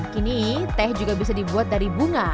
kini teh juga bisa dibuat dari bunga